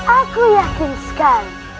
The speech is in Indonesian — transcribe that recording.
aku yakin sekali